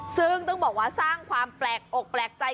ซึ่งต้องบอกว่าสร้างความแปลกอกแปลกใจ